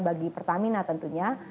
bagi pertamina tentunya